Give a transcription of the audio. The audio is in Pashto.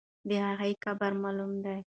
د هغې قبر معلوم دی.